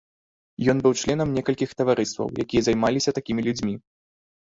Ён быў членам некалькіх таварыстваў, якія займаліся такімі людзьмі.